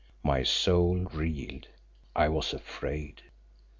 My soul reeled. I was afraid.